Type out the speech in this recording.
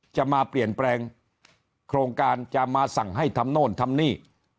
จะมาเปลี่ยนแปลงโครงการจะมาสั่งให้ทำโน่นทำนี่